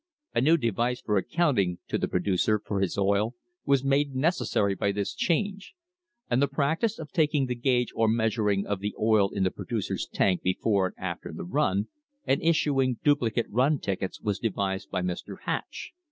A new device for accounting to the producer for his oil was made necessary by this change, and the practice of taking the gauge or meas ure of the oil in the producer's tank before and after the run and issuing duplicate "run tickets" was devised by Mr. Hatch.